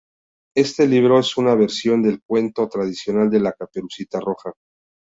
Este libro es una versión del cuento tradicional de la Caperucita Roja.